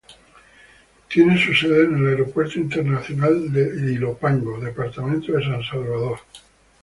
Tiene su sede en el Aeropuerto Internacional de Ilopango, Departamento de San Salvador.